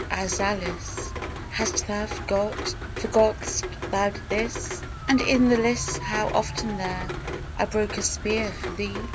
Azalis, Hast thou forgot? Forget'st thou this? And in the lists how often there I broke a spear for thee?